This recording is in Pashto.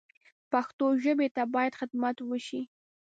پښتو ژبې ته باید خدمت وشي